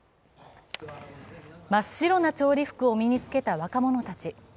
真っ白な調理服を身に着けた若者たち。